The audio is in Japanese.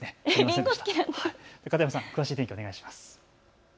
片山さん、詳しい天気、お願いします。